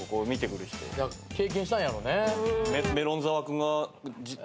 経験したんやろうね。